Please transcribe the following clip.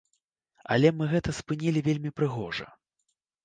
Але мы гэта спынілі вельмі прыгожа.